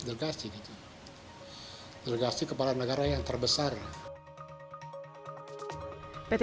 dan juga berterima kasih kepada pemerintah dan pemerintah dan juga berterima kasih kepada pemerintah dan juga berterima kasih kepada pemerintah